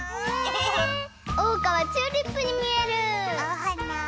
おうかはチューリップにみえる！おはな？